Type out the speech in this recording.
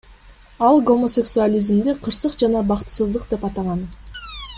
Ал гомосексуализмди кырсык жана бактысыздык деп атаган.